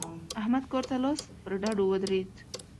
احمد کار ته لاس پر ډډو ودرېد.